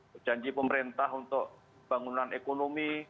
berjanji pemerintah untuk bangunan ekonomi